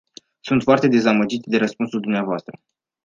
Sunt foarte dezamăgit de răspunsul dumneavoastră.